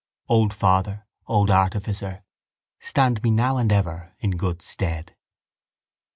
Old father, old artificer, stand me now and ever in good stead.